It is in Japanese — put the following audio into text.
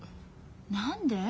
何で？